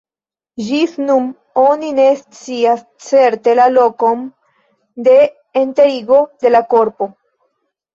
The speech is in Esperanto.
Ĝis nun oni ne scias certe la lokon de enterigo de la korpo.